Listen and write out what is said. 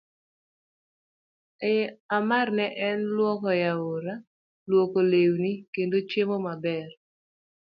A. mar Ne en lwok e aora, lwoko lewni, kendo chiemo maber